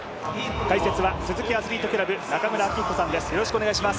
解説はスズキアスリートクラブ、中村明彦さんです。